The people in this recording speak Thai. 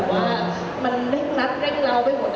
มันเร่งงัดเร่งเราไปหมด